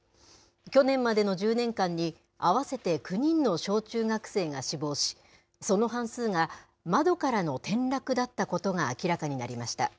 去年までの１０年間に合わせて９人の小中学生が死亡し、その半数が窓からの転落だったことが明らかになりました。